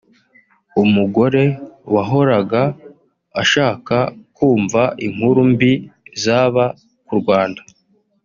umugore wahoraga ashaka kumva inkuru mbi zaba ku Rwanda